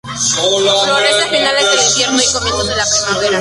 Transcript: Florece a finales del Invierno y comienzos de la Primavera.